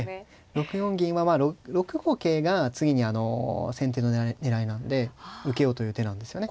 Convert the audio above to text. ６四銀は６五桂が次に先手の狙いなので受けようという手なんですよね。